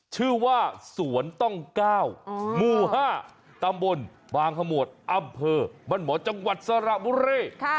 ชื่อว่าสวนต้อง๙หมู่๕ตำบลบางขมวดอำเภอบ้านหมอจังหวัดสระบุรี